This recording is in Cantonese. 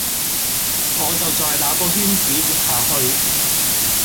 我就在那個圈子活下去